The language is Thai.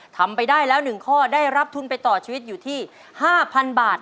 ทำไปได้แล้ว๑ข้อได้รับทุนไปต่อชีวิตอยู่ที่๕๐๐๐บาท